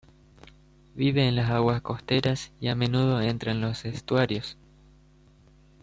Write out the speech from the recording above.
Vive en las aguas costeras y a menudo entra en los estuarios.